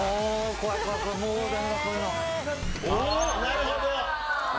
なるほど。